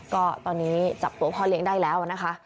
ก็ตอนนี้จับตัวพ่อเลี้ยงได้แล้วนะคะ